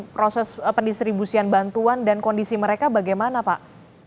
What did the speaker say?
proses pendistribusian bantuan dan kondisi mereka bagaimana pak